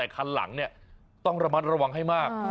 คันหลังต้องระมัดระวังให้มาก